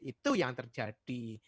itu yang terjadi